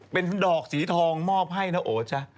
เป็นดอกสีทองมอบให้นะโอจ๊ะ